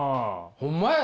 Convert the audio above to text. ホンマやで！